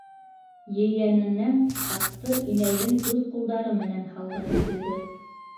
Ейәненә хатты инәйҙең үҙ ҡулдары менән һалғыһы килде.